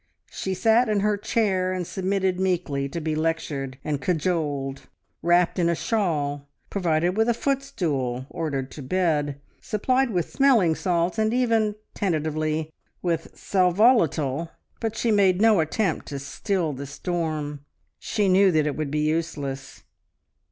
She sat in her chair and submitted meekly to be lectured and cajoled, wrapped in a shawl, provided with a footstool, ordered to bed, supplied with smelling salts, and even tentatively with sal volatile, but she made no attempt to still the storm. She knew that it would be useless!